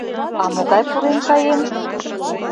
А могай пурен каен?